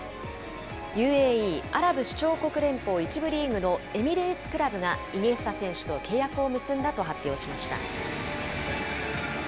ＵＡＥ・アラブ首長国連邦１部リーグのエミレーツ・クラブが、イニエスタ選手と契約を結んだと発表しました。